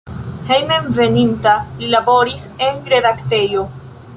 Hejmenveninta li laboris en redaktejo.